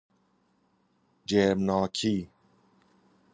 جرمناکی